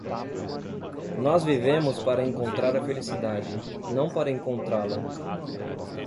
Nós vivemos para encontrar a felicidade, não para encontrá-la.